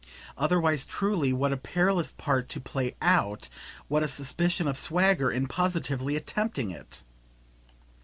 Otherwise, truly, what a perilous part to play OUT what a suspicion of "swagger" in positively attempting it!